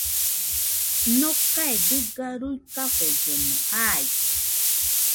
Nokae dɨga ruikafellemo jai